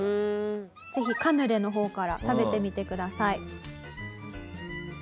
ぜひカヌレの方から食べてみてください。